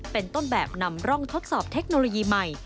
เป็นต้นแบบนำร่องทดสอบเทคโนโลยีใหม่